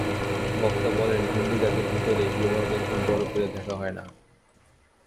বক্তা বলেন হিন্দুজাতির ভিতরে বিবাহকে খুব বড় করিয়া দেখা হয় না।